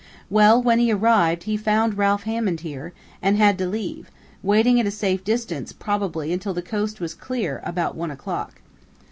Well, when he arrived, he found Ralph Hammond here, and had to leave, waiting at a safe distance, probably, until the coast was clear about one o'clock.